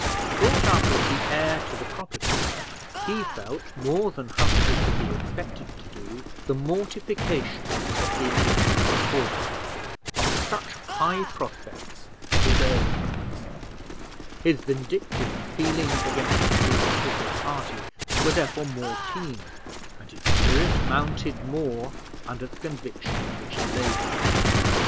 Brought up as the heir to the property, he felt, more than Humphrey could be expected to do, the mortification of being left a pauper, after such high prospects in his early days: his vindictive feelings against the opposite party were therefore more keen, and his spirit mounted more from the conviction under which he labored.